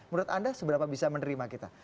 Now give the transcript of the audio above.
menurut anda seberapa bisa menerima kita